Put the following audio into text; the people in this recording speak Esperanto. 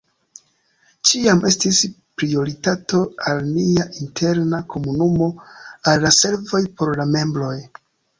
Ĉiam estis prioritato al nia interna komunumo, al la servoj por la membroj.